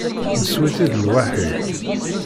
Nesseww-itt-id lwaḥi.